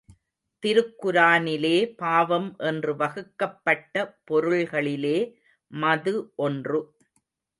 திருக்குரானிலே பாவம் என்று வகுக்கப்பட்ட பொருள்களிலே மது ஒன்று.